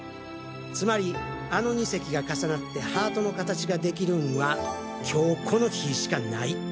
つまりあの２隻が重なってハートの形ができるんは今日この日しかない。